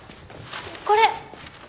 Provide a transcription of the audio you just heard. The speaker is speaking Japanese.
これ！